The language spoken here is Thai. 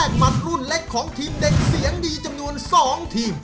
เป็นการแรกมันรุนเล็กของทีมเด็กเสียงดีจำนวน๒ทีม